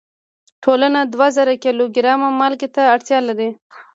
ټولنه دوه زره کیلو ګرامه مالګې ته اړتیا لري.